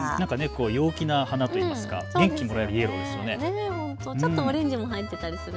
何か陽気な花といいますか元気がもらえるイエローですね。